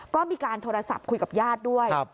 ก็มีการโทรศัพท์คุยกับญาติด้วย